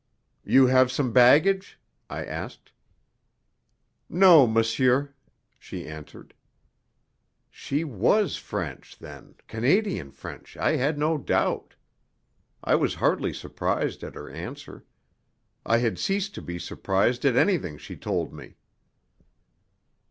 "You have some baggage?" I asked. "No, monsieur," she answered. She was French, then Canadian French, I had no doubt. I was hardly surprised at her answer. I had ceased to be surprised at anything she told me.